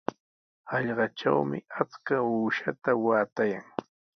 Hallqatrawmi achka uushaata waatayan.